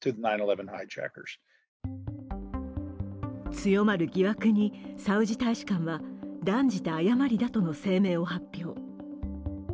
強まる疑惑にサウジ大使館は断じて誤りだとの声明を発表。